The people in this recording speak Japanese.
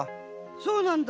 そうなんだ。